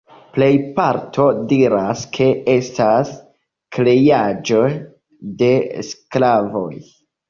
Plejparto diras ke estas kreaĵo de sklavoj.